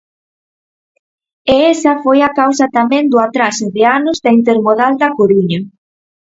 E esa foi a causa tamén do atraso de anos da intermodal da Coruña.